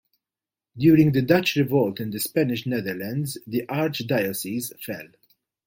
During the Dutch Revolt in the Spanish Netherlands, the archdiocese fell.